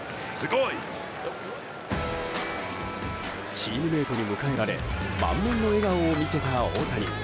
チームメートに迎えられ満面の笑顔を見せた大谷。